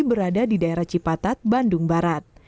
berada di daerah cipatat bandung barat